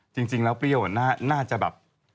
จริงแล้วเปรี้ยวน่าจะแบบ